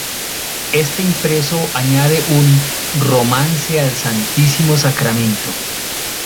Este impreso añade un "Romance al Santísimo Sacramento".